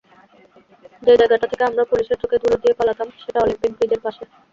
যে জায়গাটা থেকে আমরা পুলিশের চোখে ধুলো দিয়ে পালাতাম সেটা অলিম্পিক ব্রীজের পাশে।